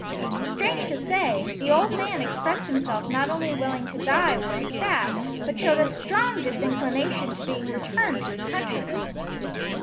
Strange to say, the old man expressed himself not only willing to die where he sat, but showed a strong disinclination to being returned to his countrymen!